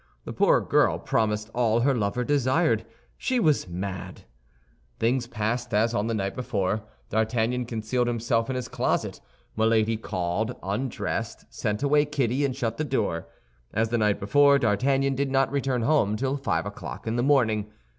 The poor girl promised all her lover desired; she was mad. Things passed as on the night before. D'Artagnan concealed himself in his closet; Milady called, undressed, sent away Kitty, and shut the door. As the night before, D'Artagnan did not return home till five o'clock in the morning.